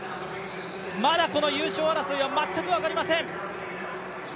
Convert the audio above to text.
まだ優勝争いは全く分かりません。